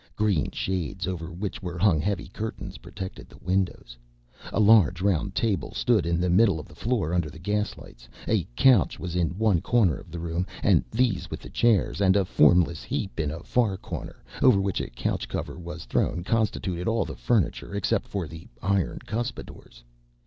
Green shades over which were hung heavy curtains protected the windows. A large, round table stood in the middle of the floor under the gas lights; a couch was in one corner of the room; and these, with the chairs and a formless heap in a far corner, over which a couch cover was thrown, constituted all the furniture, except for the iron cuspidors.